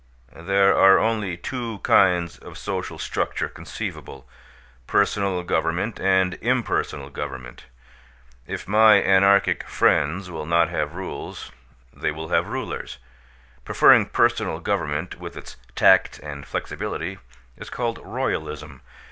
There are only two kinds of social structure conceivable personal government and impersonal government. If my anarchic friends will not have rules they will have rulers. Preferring personal government, with its tact and flexibility, is called Royalism.